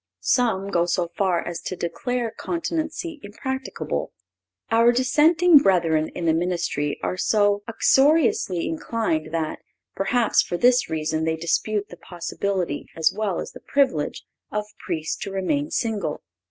Some go so far as to declare continency impracticable. Our dissenting brethren in the ministry are so uxoriously inclined that, perhaps, for this reason they dispute the possibility, as well as the privilege, of Priests to remain single.